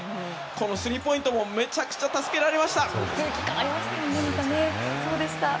スリーポイントもめちゃくちゃ助けられました。